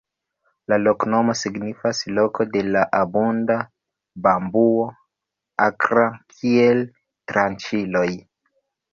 La loknomo signifas: "loko de abunda bambuo akra kiel tranĉiloj".